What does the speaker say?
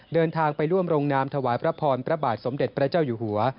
เดินทางไปร่วมลงนามถวายพระพรพระบาทสมเด็จพระเจ้าอยู่หัว